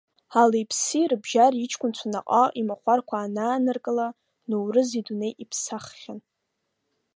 Али-ԥси рыбжьра иҷкәынцәа наҟ-ааҟ имахәарқәа анааныркыла, Ноурыз идунеи иԥсаххьан…